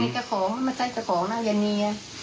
มีข้อมีข้อไม่ใช่ของก็ยังอย่ามี